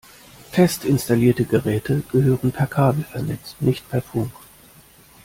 Fest installierte Geräte gehören per Kabel vernetzt, nicht per Funk.